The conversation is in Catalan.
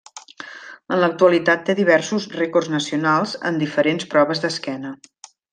En l'actualitat té diversos rècords nacionals en diferents proves d'esquena.